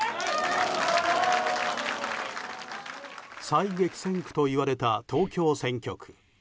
最激戦区といわれた東京選挙区。